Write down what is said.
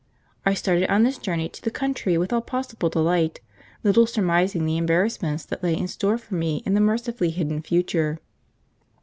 I started on this journey to the country with all possible delight, little surmising the agonies that lay in store for me in the mercifully hidden future.